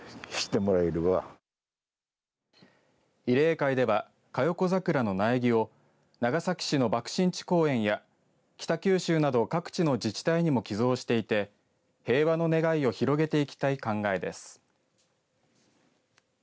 慰霊会では嘉代子桜の苗木を長崎市の爆心地公園や北九州など各地の自治体にも寄贈していて平和の願いを広げていきたい考えです。